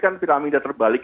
kan piramida terbalik